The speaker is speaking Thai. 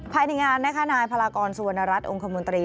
ภายในงานณภารกรสุวรรณรัชองค์คมรุนตรี